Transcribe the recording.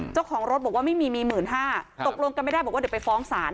เจ้าของรถบอกว่าไม่มีมี๑๕๐๐ตกลงกันไม่ได้บอกว่าเดี๋ยวไปฟ้องศาล